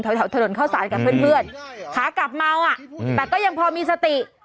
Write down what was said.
แถวถนนเข้าสารกับเพื่อนขากลับเมาอ่ะแต่ก็ยังพอมีสติ